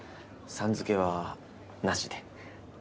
「さん」付けはなしで。